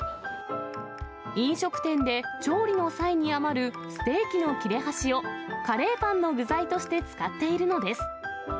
飲食店で調理の際に余るステーキの切れ端を、カレーパンの具材として使っているのです。